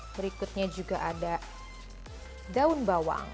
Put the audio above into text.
berikutnya juga ada daun bawang